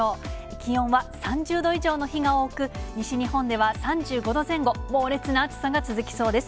気温は３０度以上の日が多く、西日本では３５度前後、猛烈な暑さが続きそうです。